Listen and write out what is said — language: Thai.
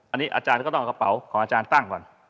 อันนี้อาจารย์ก็ต้องเอากระเป๋าของอาจารย์ตั้งก่อน